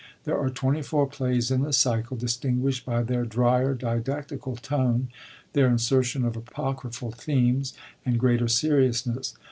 There are 24 plays in the cycle, distmguisht by their drier, didactical tone, their insertion of apocryphal themes, and greater seriousness.